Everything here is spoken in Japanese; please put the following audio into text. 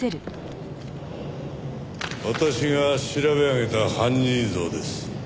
私が調べ上げた犯人像です。